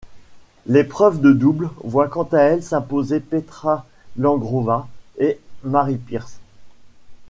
L'épreuve de double voit quant à elle s'imposer Petra Langrová et Mary Pierce.